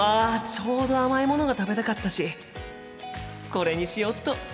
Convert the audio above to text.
ちょうど甘いものが食べたかったしこれにしよっと。